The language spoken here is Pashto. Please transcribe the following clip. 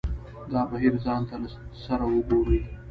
دا بهیر ځان ته له سره وګوري.